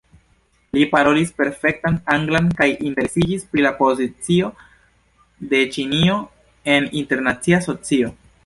Li parolis perfektan anglan kaj interesiĝis pri la pozicio de Ĉinio en internacia socio.